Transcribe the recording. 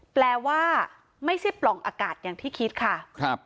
แปลว่าไม่ใช่ปล่องอากาศอย่างที่คิดค่ะครับ